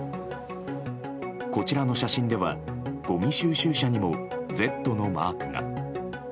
こちらの写真ではごみ収集車にも「Ｚ」のマークが。